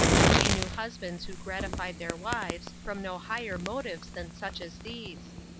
She knew husbands who gratified their wives, from no higher motives than such as these.